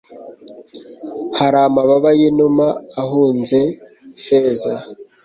hari amababa y'inuma ahunze feza